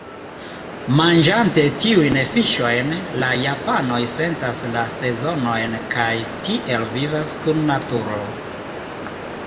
Manĝante tiujn fiŝojn, la japanoj sentas la sezonojn kaj tiel vivas kun naturo.